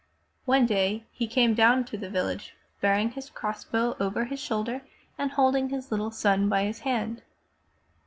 One day he came down to the village bearing his cross bow over his shoulder and holding his little son by his hand.